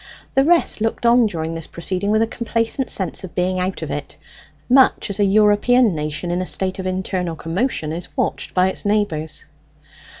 The rest looked on during this proceeding with a complacent sense of being out of it, much as a European nation in a state of internal commotion is watched by its neighbours.